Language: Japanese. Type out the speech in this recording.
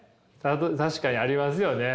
確かにありますよね。